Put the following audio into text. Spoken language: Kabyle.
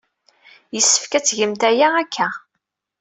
Yessefk ad tgemt aya akka.